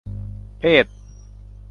เพศ